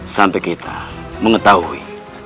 sampai kita mengetahui